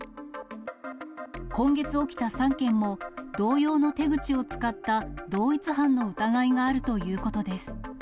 今月起きた３件も、同様の手口を使った同一犯の疑いがあるということです。